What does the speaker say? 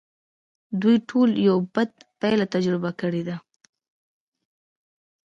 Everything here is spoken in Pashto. دوی ټولو یو بد پیل تجربه کړی دی